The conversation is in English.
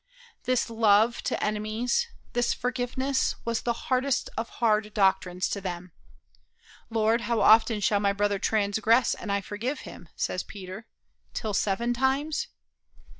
This love to enemies, this forgiveness, was the hardest of hard doctrines to them. "Lord, how often shall my brother transgress and I forgive him?" says Peter; "till seven times?"